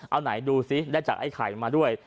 เอาไหนดูซิได้จากไอ้ไข่มาด้วย